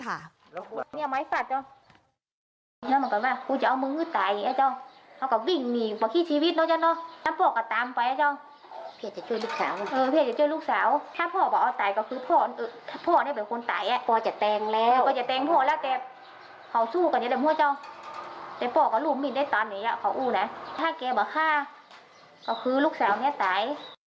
ถ้าเกลียดบอกว่าฆ่าก็คือลูกสาวนี้ตาย